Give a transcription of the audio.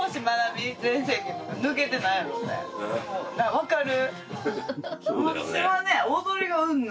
分かる？